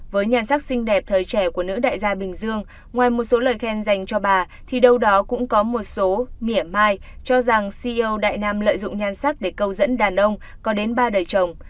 với nhan sắc xinh đẹp thời trẻ của nữ đại gia bình dương ngoài một số lời khen dành cho bà thì đâu đó cũng có một số mỉa mai cho rằng ceo đại nam lợi dụng nhan sắc để câu dẫn đàn ông có đến ba đời chồng